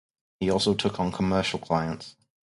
He also took on commercial clients.